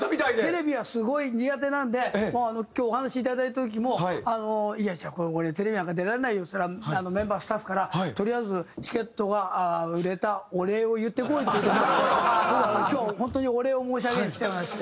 テレビはすごい苦手なんで今日お話いただいた時も「いや俺テレビなんか出られないよ」って言ったらメンバースタッフから「とりあえずチケットが売れたお礼を言ってこい」という事で僕は今日本当にお礼を申し上げに来てましてね。